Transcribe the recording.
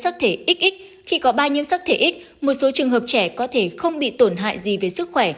khi có ba nhiễm sắc thể x một số trường hợp trẻ có thể không bị tổn hại gì về sức khỏe